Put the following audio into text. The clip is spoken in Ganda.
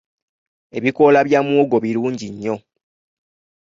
Ebikoola bya muwogo birungi nnyo.